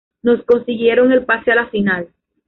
No consiguieron el pase a la final.